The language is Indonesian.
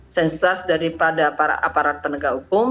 satu sensual daripada para aparat penegak hukum